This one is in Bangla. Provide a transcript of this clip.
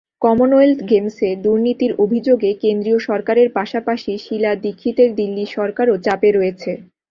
কমনওয়েলথ গেমসে দুর্নীতির অভিযোগে কেন্দ্রীয় সরকারের পাশাপাশি শীলা দীক্ষিতের দিল্লি সরকারও চাপে রয়েছে।